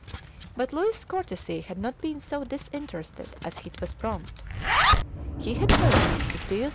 But Louis's courtesy had not been so disinterested as it was prompt. He had hoped that Pius II.